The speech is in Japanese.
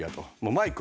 マイク？